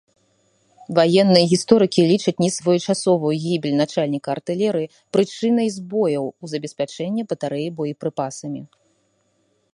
Ваенныя гісторыкі лічаць несвоечасовую гібель начальніка артылерыі прычынай збояў у забеспячэнні батарэй боепрыпасамі.